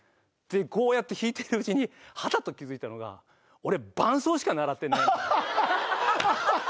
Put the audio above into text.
こうやって弾いてるうちにはたと気付いたのが俺伴奏しか習ってない。